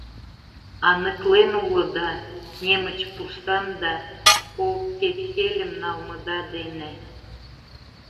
— Аныклен улыда... немыч пурсам да кол тефтельым налмыда дене.